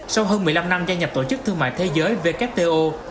sau hơn một mươi năm năm gia nhập tổ chức thương mại thế giới wto